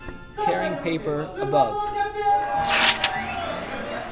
最初のゲームはスーパーボール！